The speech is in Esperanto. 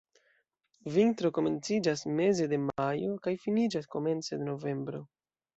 Vintro komenciĝas meze de majo kaj finiĝas komence de novembro.